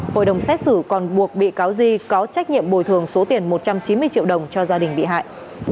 hội đồng xét xử còn buộc bị cáo di có trách nhiệm bồi thường số tiền một trăm chín mươi triệu đồng cho gia đình bị hại